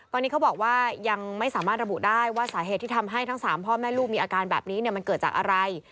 ตอนนี้เขาบอกว่ายังไม่สามารถระบุได้ว่าสาเหตุที่ทำให้ทั้ง๓พ่อแม่ลูกมีอาการแบบนี้มันเกิดจากอะไร